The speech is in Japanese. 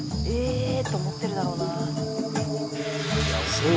そう